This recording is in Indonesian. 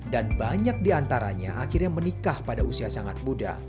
dan banyak di antaranya akhirnya menikah pada usia sangat muda